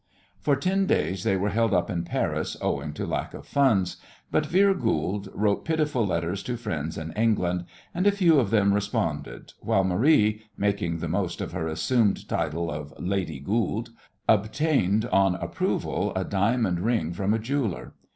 For ten days they were held up in Paris owing to lack of funds, but Vere Goold wrote pitiful letters to friends in England, and a few of them responded, while Marie, making the most of her assumed title of "Lady Goold," obtained on approval a diamond ring from a jeweller.